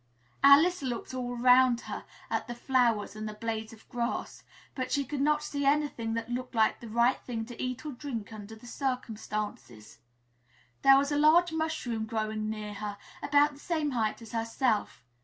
'" Alice looked all around her at the flowers and the blades of grass, but she could not see anything that looked like the right thing to eat or drink under the circumstances. There was a large mushroom growing near her, about the same height as herself.